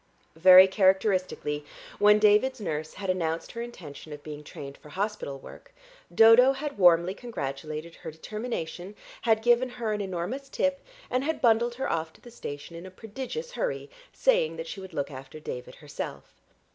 Very characteristically when David's nurse had announced her intention of being trained for hospital work, Dodo had warmly congratulated her determination, had given her an enormous tip, and had bundled her off to the station in a prodigious hurry, saying that she would look after David herself.